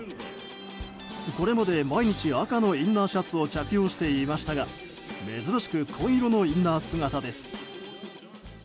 これまで毎日赤のインナーシャツを着用していましたが珍しく紺色のインナー姿です。